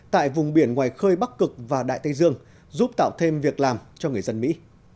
tại vùng biển ngoài khơi bắc cực và đại tây dương giúp tạo thêm việc làm cho người dân mỹ